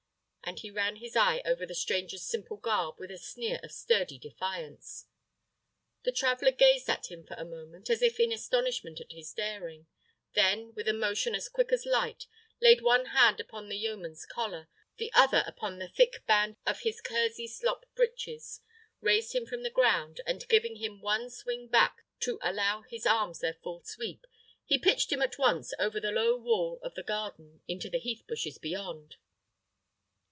And he ran his eye over the stranger's simple garb with a sneer of sturdy defiance. The traveller gazed at him for a moment, as if in astonishment at his daring; then, with a motion as quick as light, laid one hand upon the yeoman's collar, the other upon the thick band of his kersey slop breeches, raised him from the ground, and giving him one swing back, to allow his arms their full sweep, he pitched him at once over the low wall of the garden into the heath bushes beyond.